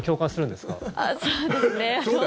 そうですね。